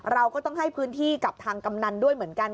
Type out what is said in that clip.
เราก็ต้องให้พื้นที่กับทางกำนันด้วยเหมือนกัน